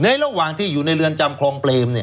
ระหว่างที่อยู่ในเรือนจำคลองเปรม